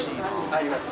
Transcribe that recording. あります。